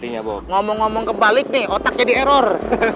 ngomong ngomong kebalik nih otak jadi error